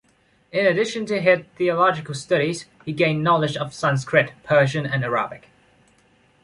In addition to hid theological studies, he gained knowledge of Sanskrit, Persian and Arabic.